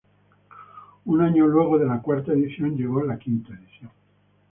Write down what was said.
Un año luego de la cuarta edición llegó la quinta edición.